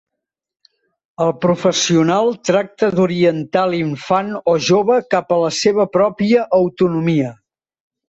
El professional tracta d'orientar l'infant o jove cap a la seva pròpia autonomia.